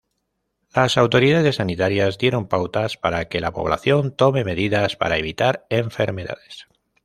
Las autoridades sanitarias dieron pautas para que la población tome medidas para evitar enfermedades.